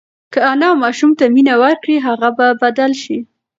که انا ماشوم ته مینه ورکړي، هغه به بدل شي.